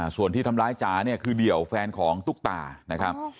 ส่วนที่ทำร้ายจ๋าเนี่ยคือเดี่ยวแฟนของตุ๊กตานะครับ